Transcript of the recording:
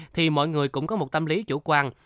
thì mọi người cũng có một tâm lý chủ quan